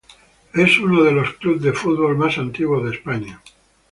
Es uno de los clubes de fútbol americano más antiguos de España.